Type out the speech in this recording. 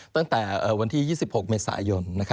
ตั้งแต่วันที่๒๖เมษายน